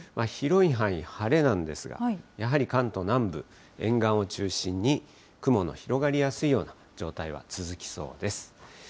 広い範囲、晴れなんですが、やはり関東南部、沿岸を中心に雲の広がりやすいような状態は続きそうです。